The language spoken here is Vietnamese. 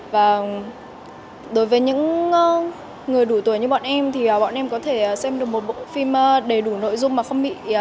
và đối với những người đủ tuổi như bọn em thì bọn em có thể xem được một bộ phim đầy đủ nội dung mà không bị